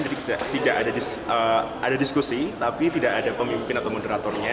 jadi tidak ada diskusi tapi tidak ada pemimpin atau moderatornya